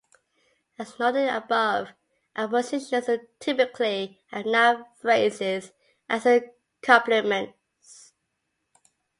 As noted above, adpositions typically have noun phrases as complements.